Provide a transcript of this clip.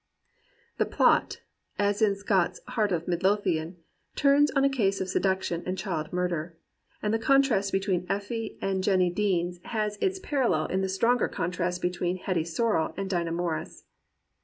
*..." The plot, as in Scott's Heart of Midlothian, turns on a case of seduction and child murder, and the contrast between Effie and Jeannie Deans has its parallel in the stronger contrast between Hetty Sorrel and Dinah Morris.